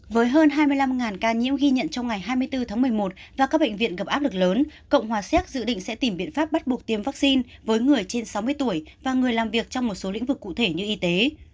với hơn hai mươi năm ca nhiễm ghi nhận trong ngày hai mươi bốn tháng một mươi một và các bệnh viện gặp áp lực lớn cộng hòa xéc dự định sẽ tìm biện pháp bắt buộc tiêm vaccine với người trên sáu mươi tuổi và người làm việc trong một số lĩnh vực cụ thể như y tế